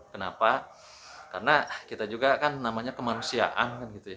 kenapa karena kita juga kan namanya kemanusiaan